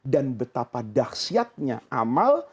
dan betapa dahsyatnya amal